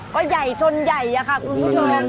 ก็ใหญ่ชนใหญ่ค่ะคุณจน